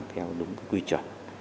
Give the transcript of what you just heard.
theo đúng quy truật